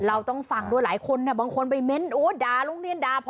เราต้องฟังด้วยหลายคนบางคนไปเม้นโอ้ด่าโรงเรียนด่าพ่อ